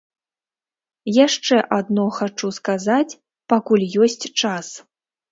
Яшчэ адно хачу сказаць, пакуль ёсць час.